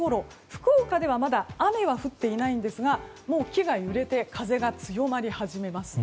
福岡ではまだ雨は降っていないんですが木が揺れて風が強まり始めます。